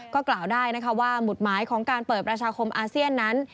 ก็กล่าวได้นะคะว่าหมุดหมายของการเปิดประชาคมอาเซียนนั้น